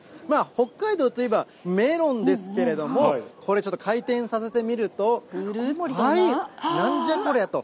北海道といえばメロンですけれども、これちょっと回転させてみると、はい、なんじゃこりゃ？と。